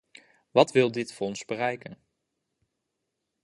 Wat wil dit fonds bereiken?